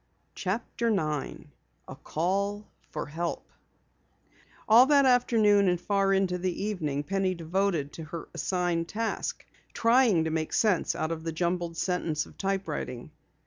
CHAPTER 9 A CALL FOR HELP All that afternoon and far into the evening Penny devoted to her assigned task, trying to make sense out of the jumbled sentence of typewriting.